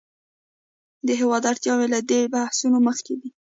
د هېواد اړتیاوې له دې بحثونو مخکې دي.